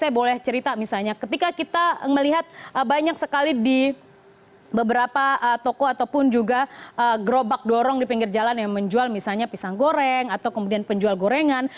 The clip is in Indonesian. saya boleh cerita misalnya ketika kita melihat banyak sekali di beberapa toko ataupun juga gerobak dorong di pinggir jalan yang menjual misalnya pisang goreng atau kemudian penjual gorengan